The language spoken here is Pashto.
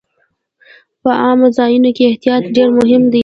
په عامو ځایونو کې احتیاط ډېر مهم دی.